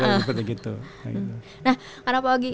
nah karena pak ogi